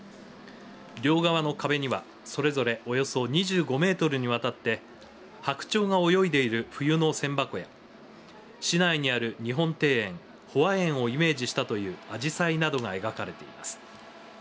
両側の壁には、それぞれおよそ２５メートルにわたって白鳥が泳いでいる冬の千波湖や市内にある日本庭園保和苑をイメージしたというあじさいなどが描かれています。